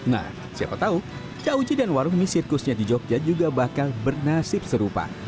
nah siapa tahu cauci dan warung mie sirkusnya di jogja juga bakal bernasib serupa